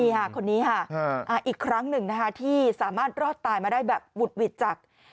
นี่ค่ะคนนี้ค่ะอีกครั้งหนึ่งนะคะที่สามารถรอดตายมาได้แบบบุดหวิดจาก